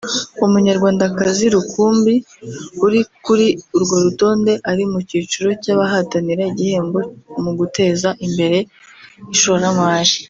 Umunyarwandakazi rukumbi uri kuri urwo rutonde ari mu cyiciro cy’abahatanira igihembo mu guteza imbere ishoramari